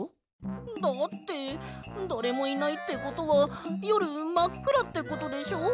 だってだれもいないってことはよるまっくらってことでしょ？